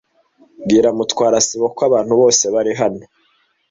Bwira Mutwara sibo ko abantu bose bari hano.